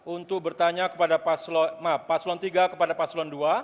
untuk bertanya kepada paslon tiga kepada paslon dua